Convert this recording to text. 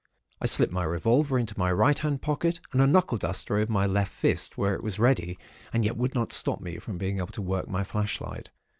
I slipped my revolver into my right hand pocket and a knuckle duster over my left fist, where it was ready, and yet would not stop me from being able to work my flashlight.